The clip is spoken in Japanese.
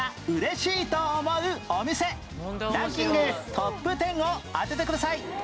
トップ１０を当ててください